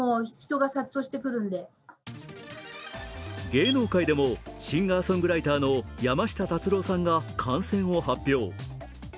芸能界でもシンガーソングライターの山下達郎さんが感染を発表。